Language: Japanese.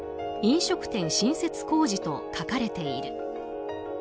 飲食店新設工事と書かれている。